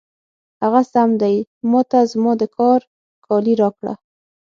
هغه سم دی، ما ته زما د کار کالي راکړه.